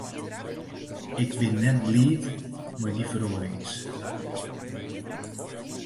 Ik bin net bliid mei dy feroarings.